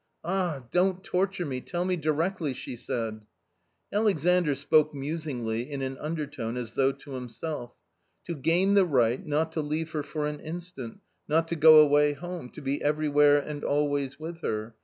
Ah ! don't torture me, tell me directly !" she said. Aiexandr spoke musingly in an undertone as though to himself. "To gain the right, not to leave her for an instant, not to go away home — to be everywhere and always with her.